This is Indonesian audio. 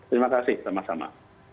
terima kasih sama sama